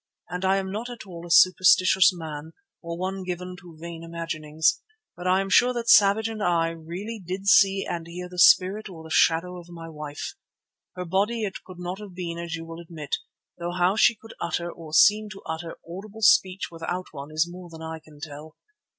I am not at all a superstitious man, or one given to vain imaginings, but I am sure that Savage and I really did see and hear the spirit or the shadow of my wife. Her body it could not have been as you will admit, though how she could utter, or seem to utter, audible speech without one is more than I can tell.